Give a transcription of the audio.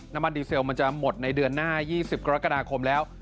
น้ำมันดีเซลมันจะหมดในเดือนหน้า๒๐กรกฎาคมแล้ว